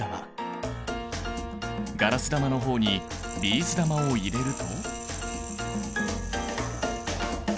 ガラス玉の方にビーズ玉を入れると。